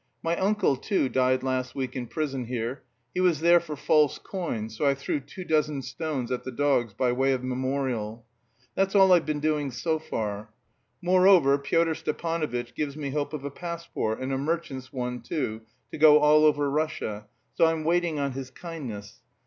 My uncle, too, died last week in prison here. He was there for false coin, so I threw two dozen stones at the dogs by way of memorial. That's all I've been doing so far. Moreover Pyotr Stepanovitch gives me hopes of a passport, and a merchant's one, too, to go all over Russia, so I'm waiting on his kindness.